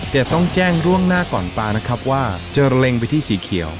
แต่ต้องแจ้งล่วงหน้าก่อนตานะครับว่าจะเล็งไปที่สีเขียว